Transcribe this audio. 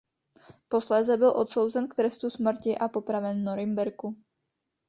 Posléze byl odsouzen k trestu smrti a popraven v Norimberku.